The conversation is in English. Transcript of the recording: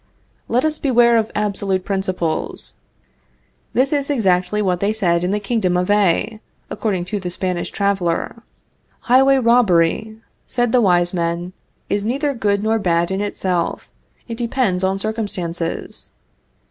Let us beware of absolute principles. This is exactly what they said in the Kingdom of A , according to the Spanish traveler. "Highway robbery," said the wise men, "is neither good nor bad in itself; it depends on circumstances.